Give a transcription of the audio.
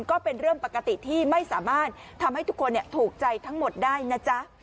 ก็เป็นเรื่องปกติที่ไม่สามารถทำให้ทุกคนถูกใจทั้งหมดได้นะจ๊ะ